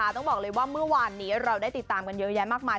ต้องบอกเลยว่าเมื่อวานนี้เราได้ติดตามกันเยอะแยะมากมาย